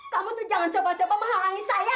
kamu tuh jangan coba coba menghalangi saya